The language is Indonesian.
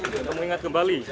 kita mengingat kembali